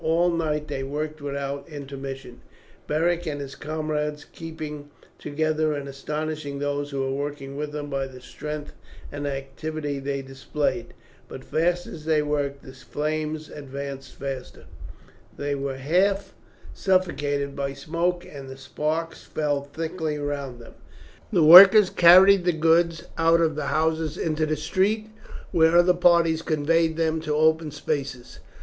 All night they worked without intermission, Beric and his comrades keeping together and astonishing those who were working with them by the strength and activity they displayed. But fast as they worked the flames advanced faster. They were half suffocated by smoke, and the sparks fell thickly round them. The workers carried the goods out of the houses into the street, where other parties conveyed them to open spaces.